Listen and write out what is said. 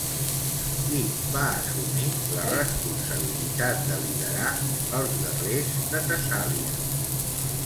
Qui va assumir la responsabilitat de liderar els guerrers de Tessàlia?